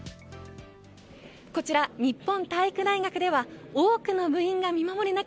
こちら日本体育大学では多くの部員が見守る中